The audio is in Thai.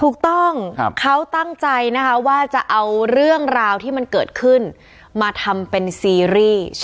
ถูกต้องเขาตั้งใจนะคะว่าจะเอาเรื่องราวที่มันเกิดขึ้นมาทำเป็นซีรีส์